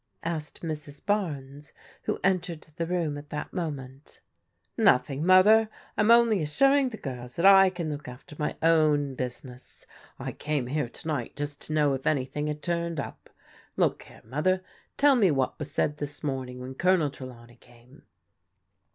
" asked Mrs. Barnes, who entered the room at that moment " Nothing, Mother. I'm only assuring the girls that I can look after my own business. I came here to night just to know if anything had turned up. Look here, Mother, tell me what was said this morning when Colonel Trelawney came."